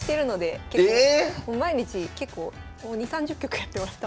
毎日結構２０３０局やってます